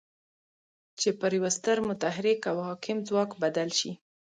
چې پر يوه ستر متحرک او حاکم ځواک بدل شي.